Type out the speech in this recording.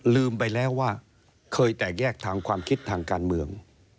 ลืมไปแล้วว่าเคยแตกแยกทางความคิดทางการเมือง